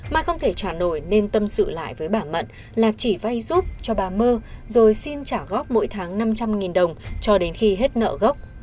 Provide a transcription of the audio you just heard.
mà không thể trả nổi nên tâm sự lại với bà mận là chỉ vay giúp cho bà mơ rồi xin trả góp mỗi tháng năm trăm linh đồng cho đến khi hết nợ gốc